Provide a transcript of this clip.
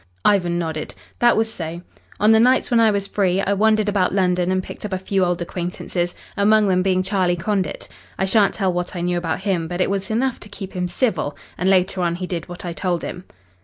Ivan nodded. "That was so. On the nights when I was free, I wandered about London and picked up a few old acquaintances, among them being Charlie Condit. I shan't tell what I knew about him, but it was enough to keep him civil, and later on he did what I told him.